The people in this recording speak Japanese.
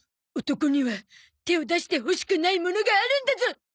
男には手を出してほしくないものがあるんだゾ！